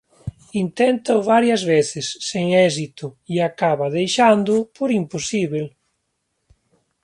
Inténtao varias veces sen éxito e acaba deixándoo por imposible.